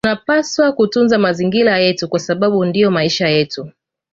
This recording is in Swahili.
Tunapaswa kutunza mazingira yetu kwa sababu ndiyo maisha yetu